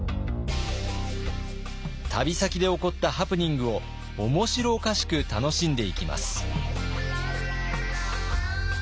旅先で起こったハプニングを面白おかしく楽しんでいきます。